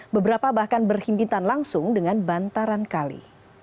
beberapa bahkan berhimpitan langsung dengan bantaran kali